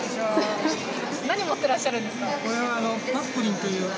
何持ってらっしゃるんですか？